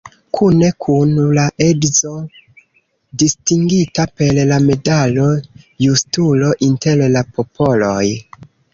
Kune kun la edzo distingita per la medalo "Justulo inter la popoloj".